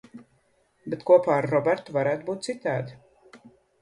Bet kopā ar Robertu varētu būt citādi.